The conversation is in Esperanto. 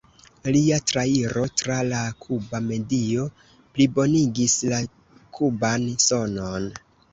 Lia trairo tra la kuba medio plibonigis la kuban sonon.